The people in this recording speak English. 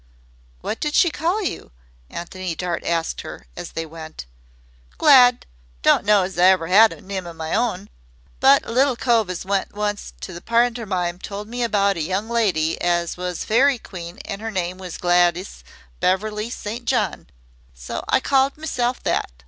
"What did she call you?" Antony Dart asked her as they went. "Glad. Don't know as I ever 'ad a nime o' me own, but a little cove as went once to the pantermine told me about a young lady as was Fairy Queen an' 'er name was Gladys Beverly St. John, so I called mesself that.